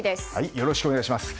よろしくお願いします。